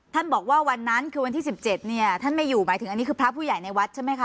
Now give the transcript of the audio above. บอกว่าวันนั้นคือวันที่๑๗เนี่ยท่านไม่อยู่หมายถึงอันนี้คือพระผู้ใหญ่ในวัดใช่ไหมคะ